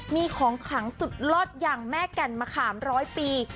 มีของขลังสุดลอดอย่างแม่แก่นมะขามร้อยปี